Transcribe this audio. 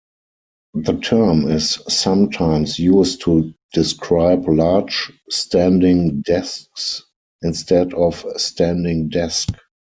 The term is sometimes used to describe large standing desks instead of "standing desk".